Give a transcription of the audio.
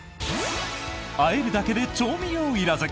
あえるだけで調味料いらず！